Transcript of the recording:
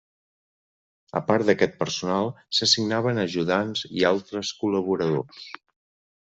A part d'aquest personal s'assignaven ajudants i altres col·laboradors.